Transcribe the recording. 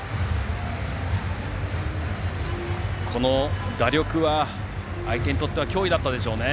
この打力は相手にとっては脅威だったでしょうね。